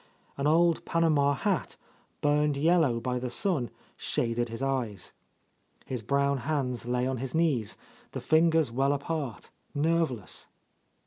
An old Eanama hat, burned yellow by the sun, shaded his eyes. His brown hands lay on his knees, the lingers well apart, nerveless.